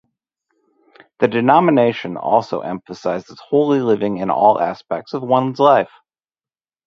The denomination also emphasizes holy living in all aspects of one's life.